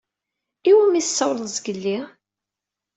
I wimi i tessawleḍ sgelli?